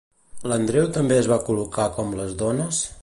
L'Andreu també es va col·locar com les dones?